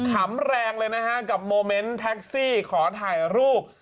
ขำแรงเลยนะฮะกับโมเมนต์แท็กซี่ขอถ่ายรูป